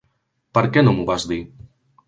Per què no m'ho vas dir?